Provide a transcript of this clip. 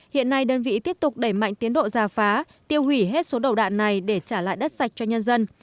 hiện nay đơn vị tiếp tục đẩy mạnh tiến độ giả phá tiêu hủy hết số đầu đạn này để trả lại đất sạch cho nhân dân